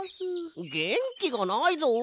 げんきがないぞ。